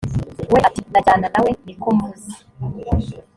we ati ndajyana na we nikomvuze